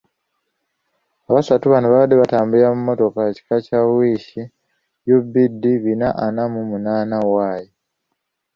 Abasatu bano baabadde batambulira mu mmotoka ekika kya Toyota Wish UBD bina ana mu munaana Y.